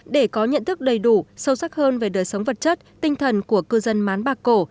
để có nhận thức đầy đủ sâu sắc hơn về đời sống vật chất tinh thần của cư dân mán bạc cổ